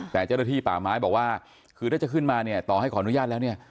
แต่เจ้าหน้าที่ป่าไม้บอกว่าคือถ้าจะขึ้นมาเนี่ยต่อให้ขออนุญาตแล้วเนี่ย